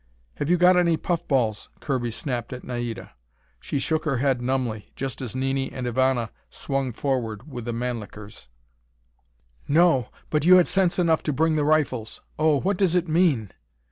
"Have you got any puff balls?" Kirby snapped at Naida. She shook her head numbly, just as Nini and Ivana swung forward with the Mannlichers. "No. But you had sense enough to bring the rifles! Oh, what does it mean?"